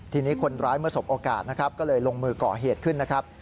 ทีนี้คนร้ายเมื่อสบโอกาสนะครับก็เลยลงมือก่อเหตุขึ้นนะครับ